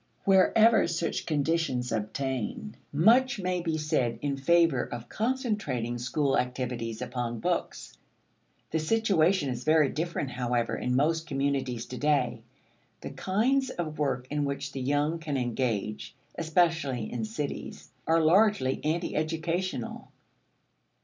Wherever such conditions obtain, much may be said in favor of concentrating school activity upon books. The situation is very different, however, in most communities to day. The kinds of work in which the young can engage, especially in cities, are largely anti educational.